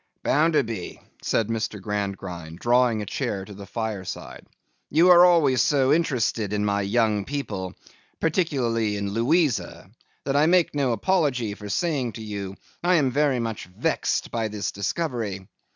'Bounderby,' said Mr. Gradgrind, drawing a chair to the fireside, 'you are always so interested in my young people—particularly in Louisa—that I make no apology for saying to you, I am very much vexed by this discovery.